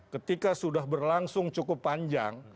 ketika sudah berlangsung cukup panjang